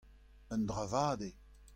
un dra vat eo.